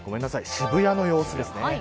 渋谷の様子ですね。